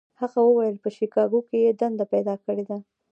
هغه وویل په شیکاګو کې یې دنده پیدا کړې ده.